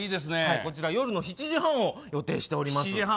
こちら夜の７時半を予定しております。